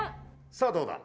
さあどうだ？